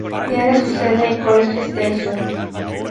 Tiene su sede en College Station.